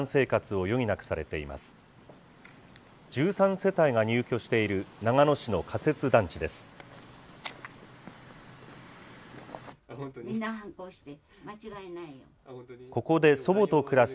世帯が入居している長野市の仮設団地です。